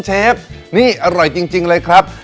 เชฟนี่อร่อยจริงเลยครับ